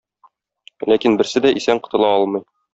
Ләкин берсе дә исән котыла алмый.